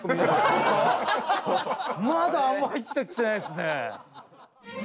まだあんま入ってきてないですね。